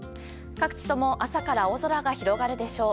各地とも朝から青空が広がるでしょう。